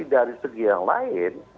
dari segi yang lain